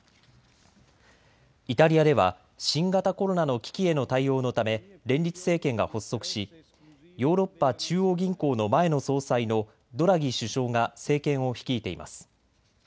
イタリアでは新型コロナの危機への対応のため連立政権が発足しヨーロッパ中央銀行の前の総裁のドラギ首相が政権を率いています。